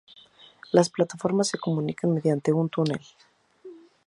Las plataformas se comunican mediante un túnel.